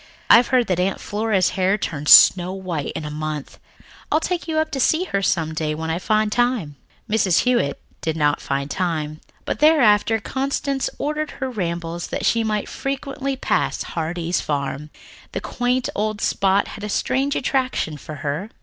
I've heard that Aunt Flora's hair turned snow white in a month. I'll take you up to see her some day when I find time." Mrs. Hewitt did not find time, but thereafter Constance ordered her rambles that she might frequently pass Heartsease Farm. The quaint old spot had a strange attraction for her.